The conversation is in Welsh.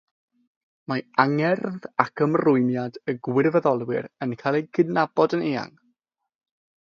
Mae angerdd ac ymrwymiad y gwirfoddolwyr yn cael ei gydnabod yn eang.